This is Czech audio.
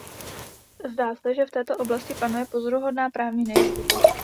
Zdá se, že v této oblasti panuje pozoruhodná právní nejistota.